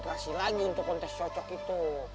terima kasih lagi untuk kontes cocok itu